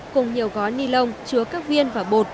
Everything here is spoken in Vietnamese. cùng nhiều gói ni lông chứa các viên và bột